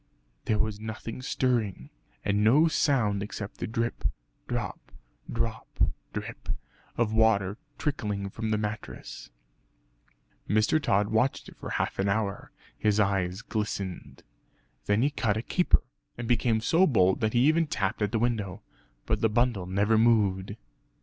There was nothing stirring, and no sound except the drip, drop, drop drip of water trickling from the mattress. Mr. Tod watched it for half an hour; his eyes glistened. Then he cut a caper, and became so bold that he even tapped at the window; but the bundle never moved.